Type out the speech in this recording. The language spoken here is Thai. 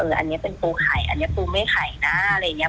อันนี้เป็นปูไข่อันนี้ปูไม่ไข่นะอะไรอย่างนี้